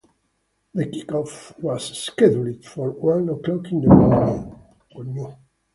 The kick-off was scheduled for one o'clock in the morning.